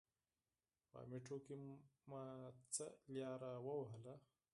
په میترو کې مو څه لاره و وهله.